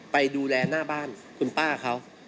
ไปดูแลหน้าบ้านคุณป้าเขา